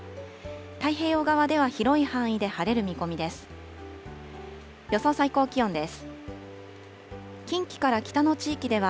太平洋側では広い範囲で晴れる見込みです。